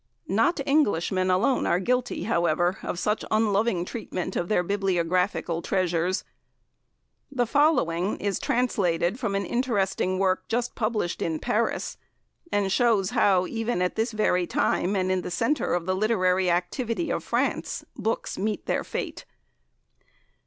Not Englishmen alone are guilty, however, of such unloving treatment of their bibliographical treasures. The following is translated from an interesting work just published in Paris, and shows how, even at this very time, and in the centre of the literary activity of France, books meet their fate.